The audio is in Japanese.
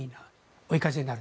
追い風になる。